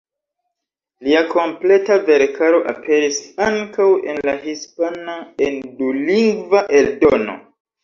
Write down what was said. Lia kompleta verkaro aperis ankaŭ en la hispana en dulingva eldono.